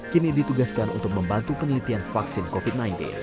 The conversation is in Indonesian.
kini ditugaskan untuk membantu penelitian vaksin covid sembilan belas